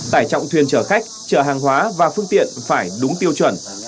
tải trọng thuyền chở khách chở hàng hóa và phương tiện phải đúng tiêu chuẩn